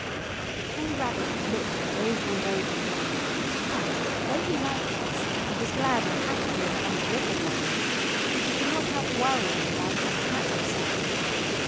The Candy Rabbit was looked at over and over again, but, though he liked this and was glad and happy he had come to live with Madeline, yet he could not help worrying about what the cat had said.